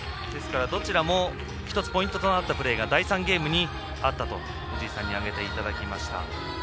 どちらも１つポイントとなったプレーが第３ゲームにあったと挙げていただきました。